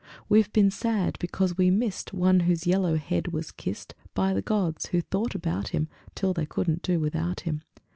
We've been sad because we missed One whose yellow head was kissed By the gods, who thought about him Till they couldn't do without him.